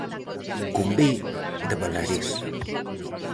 Con "be" de Balarés.